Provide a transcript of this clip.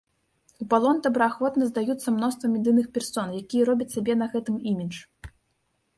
У палон добраахвотна здаюцца мноства медыйных персон, якія робяць сабе на гэтым імідж.